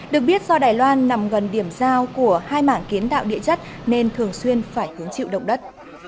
được biết do đài loan nằm gần điểm giao của hai mảng kiến tạo địa chất nên thường xuyên phải hứng chịu động đất